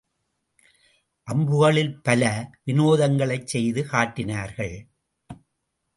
அம்புகளில் பல வினோதங்களைச் செய்து காட்டினான்.